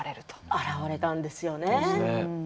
現れたんですよね。